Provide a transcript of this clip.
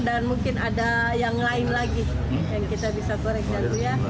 dan mungkin ada yang lain lagi yang kita bisa korek dulu ya